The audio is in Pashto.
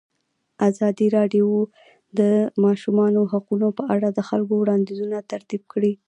ازادي راډیو د د ماشومانو حقونه په اړه د خلکو وړاندیزونه ترتیب کړي.